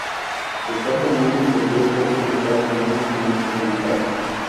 Ricardo Mollo volvió a ser convocado como único músico invitado.